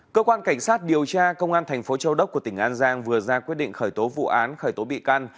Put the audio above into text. cơ quan cảnh sát điều tra công an thành phố châu đốc của tỉnh an giang vừa ra quyết định khởi tố vụ án khởi tố bị can